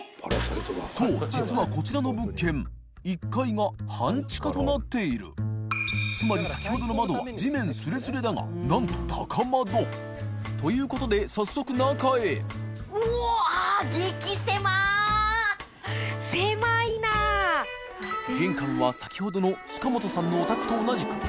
磴修実はこちらの物件嘘半地下となっている磴弔泙先ほどの窓は地面スレスレだが覆鵑高窓磴箸いΔ海箸早速中へ禪軸悗先ほどの塚本さんのお宅と同じくⅣ